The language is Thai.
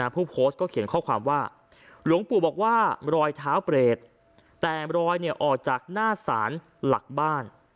ผู้โพสต์ก็เขียนข้อความว่าหลวงปู่บอกว่ารอยเท้าเปรตแต่รอยออกจากหน้าศาลหลักบ้าน